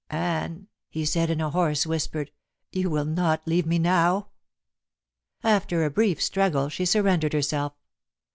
"Anne," he said in a hoarse whisper, "you will not leave me now?" After a brief struggle she surrendered herself.